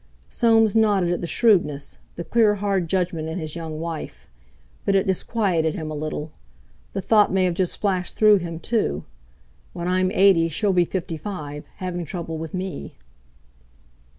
Soames nodded at the shrewdness, the clear hard judgment in his young wife; but it disquieted him a little. The thought may have just flashed through him, too: "When I'm eighty she'll be fifty five, having trouble with me!"